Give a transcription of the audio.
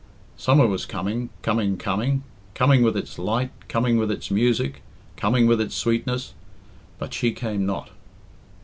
Summer was coming, coming, coming coming with its light, coming with its music, coming with its sweetness but she came not.